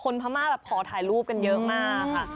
คนภามากฆ่าถ่ายรูปกันเยอะมาก